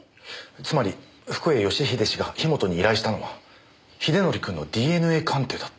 つまり福栄義英氏が樋本に依頼したのは英則くんのＤＮＡ鑑定だった。